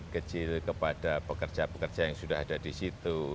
kecil kepada pekerja pekerja yang sudah ada di situ